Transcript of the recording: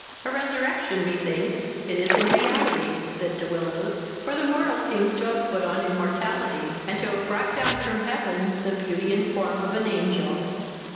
"A resurrection, methinks, it is in reality, (said de Willows;) 'for the mortal seems to have put on immortality,' and to have brought down from heaven the beauty and form of an angel."